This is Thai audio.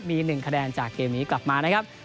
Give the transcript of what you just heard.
มี๑คะแนนจากเกมนี้กลับมานะครับ